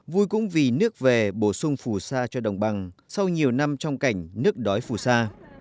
vui cũng vì nước về bổ sung phù sa cho đồng bằng sau nhiều năm trong cảnh nước đói phù sa